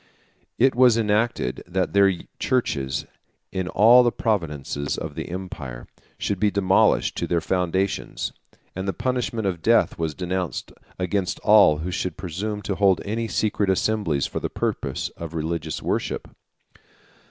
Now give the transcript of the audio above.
It was enacted, that their churches, in all the provinces of the empire, should be demolished to their foundations; and the punishment of death was denounced against all who should presume to hold any secret assemblies for the purpose of religious worship.